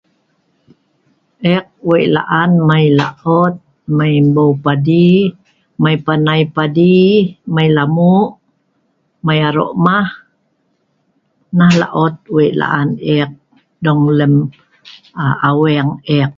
Eek wei laan mai laot mai mmeu padi mai panai padi mai lamuq mai aroq mah. Nah laot wei laan eek dong lem aa… aweng eek